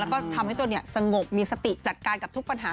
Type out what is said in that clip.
แล้วก็ทำให้ตนสงบมีสติจัดการกับทุกปัญหา